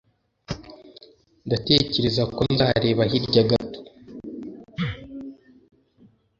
Ndatekereza ko nzareba hirya gato.